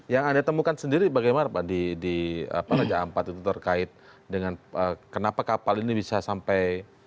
yang anda temukan sendiri bagaimana pak di raja ampat itu terkait dengan kenapa kapal ini bisa sampai